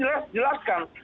kalau perlu dijelaskan